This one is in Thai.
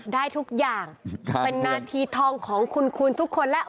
ได้ทุกอย่างเป็นนาทีทองของคุณทุกคนแล้ว